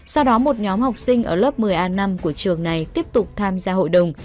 sau đó một nhóm học sinh ở lớp một mươi a năm của trường này tiếp tục tham gia hội đồng